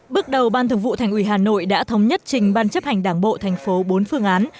bước đầu ban thực vụ thành ủy hà nội đã thống nhất trình ban chấp hành đảng bộ tp bốn phương án